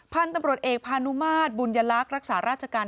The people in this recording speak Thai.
พันธุ์ตำรวจเอกพานุมาตรบุญยลักษณ์รักษาราชการ